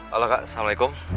halo kak assalamualaikum